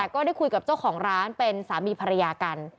ก็ได้คุยกับเจ้าของร้านเป็นสามีภรรยากัน